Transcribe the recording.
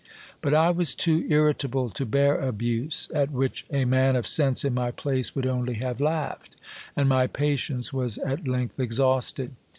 But I was too irritable to bear abuse, at which a man of sense in my place would only have laughed ; and my patience was at length exhausted.